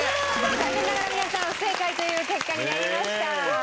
残念なら皆さん不正解という結果になりました。